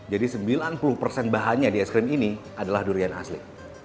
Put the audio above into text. jadi sembilan puluh bahannya di es krim ini adalah durian asli